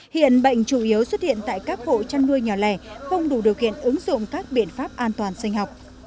hiện bệnh chủ yếu xuất hiện tại các hộ chăn nuôi nhỏ lẻ không đủ điều kiện ứng dụng các biện pháp an toàn sinh học